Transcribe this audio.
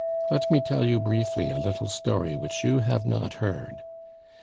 Let me tell you briefly a little story which you have not heard.